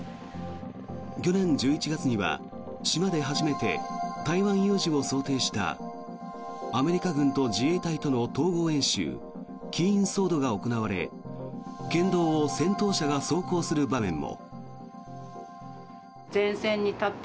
去年１１月には、島で初めて台湾有事を想定したアメリカ軍と自衛隊との統合演習キーン・ソードが行われ県道を戦闘車が走行する場面も。